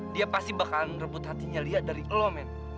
dia pasti bakalan rebut hatinya lia dari lo men